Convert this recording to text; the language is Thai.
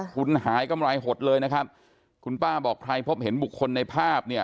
คุณหายกำไรหดเลยนะครับคุณป้าบอกใครพบเห็นบุคคลในภาพเนี่ย